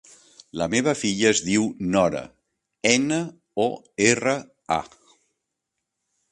La meva filla es diu Nora: ena, o, erra, a.